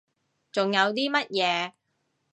仲有啲乜嘢？